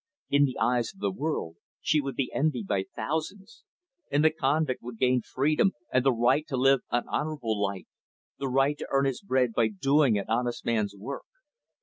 In the eyes of the world, she would be envied by thousands. And the convict would gain freedom and the right to live an honorable life the right to earn his bread by doing an honest man's work.